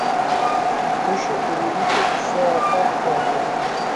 Hoxe o bonito soa a paz e a festa.